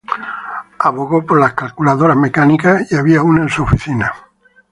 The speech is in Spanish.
Abogó por las calculadoras mecánicas y había una en su oficina.